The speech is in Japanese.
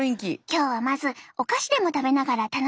今日はまずお菓子でも食べながら楽しんでね。